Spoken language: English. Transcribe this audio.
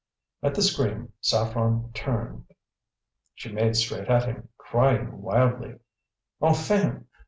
At the scream Saffren turned. She made straight at him, crying wildly: "Enfin!